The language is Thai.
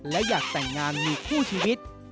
และอยากแต่งงานมีคู่ชีวิต